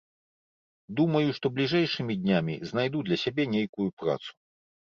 Думаю, што бліжэйшымі днямі знайду для сябе нейкую працу.